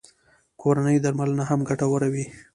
کورنۍ درملنه هم ګټوره وي